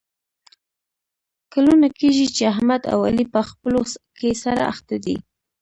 کلونه کېږي چې احمد او علي په خپلو کې سره اخته دي.